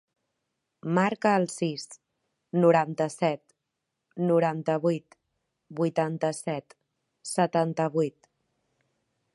Marca el sis, noranta-set, noranta-vuit, vuitanta-set, setanta-vuit.